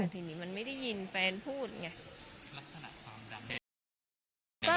ทีนี้มันไม่ได้ยินแฟนพูดไง